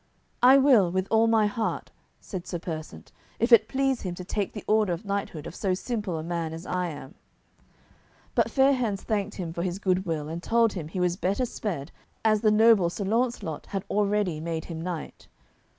"I will with all my heart," said Sir Persant, "if it please him to take the order of knighthood of so simple a man as I am." But Fair hands thanked him for his good will, and told him he was better sped, as the noble Sir Launcelot had already made him knight.